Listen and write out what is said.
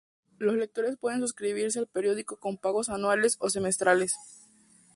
Los lectores pueden suscribirse al periódico con pagos anuales o semestrales.